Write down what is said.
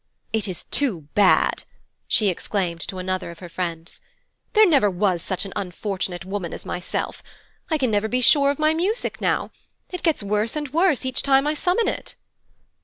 'It is too bad!' she exclaimed to another of her friends. 'There never was such an unfortunate woman as myself. I can never be sure of my music now. It gets worse and worse each time I summon it.'